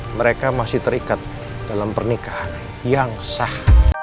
mereka masih terikat dalam pernikahan yang sah